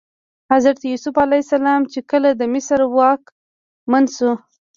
حضرت یوسف علیه السلام چې کله د مصر واکمن شو.